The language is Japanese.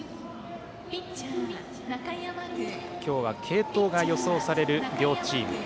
今日は継投が予想される両チーム。